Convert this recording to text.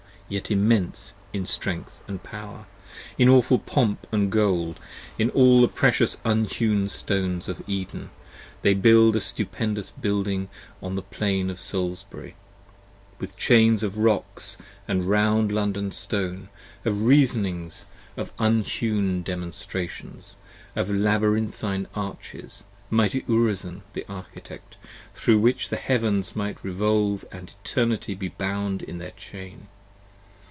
Yet immense in strength & power, p. 66 IN awful pomp & gold, in all the precious unhewn stones of Eden, They build a stupendous Building on the Plain of Salisbury: with chains Of rocks round London Stone, of Reasonings, of unhewn Demonstrations, In labyrinthine arches, (Mighty Urizen the Architect,) thro' which 5 The Heavens might revolve & Eternity be bound in their chain.